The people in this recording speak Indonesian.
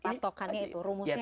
patokannya itu rumusnya itu